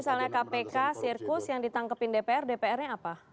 jadi kalau misalnya kpk sirkus yang ditangkepin dpr dpr nya apa